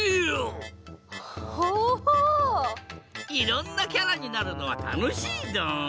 いろんなキャラになるのはたのしいドン！